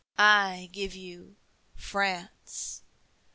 I give you France!